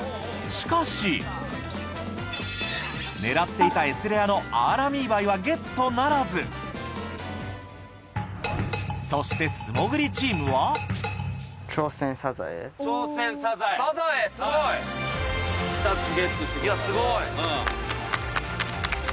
しかし狙っていたＳレアのアーラミーバイはゲットならずそして素潜りチームはいやすごい。